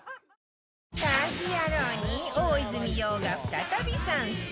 『家事ヤロウ！！！』に大泉洋が再び参戦